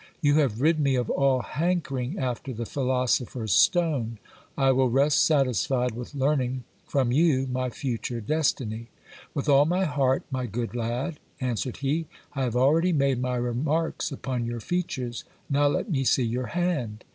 You have rid me of all hankering after the philosopher's stone. I will rest satisfied with learning from you my future destiny. With all my heart, my good lad, answered he. I have already made my remarks upon your features ; now let me see your hand.